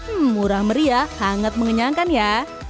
hmm murah meriah hangat mengenyangkan ya